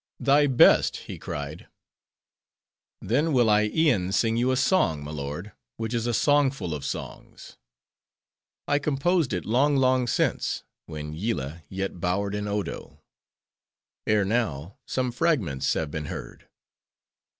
"Thy best," he cried. Then will I e'en sing you a song, my lord, which is a song full of songs. I composed it long, long since, when Yillah yet bowered in Odo. Ere now, some fragments have been heard.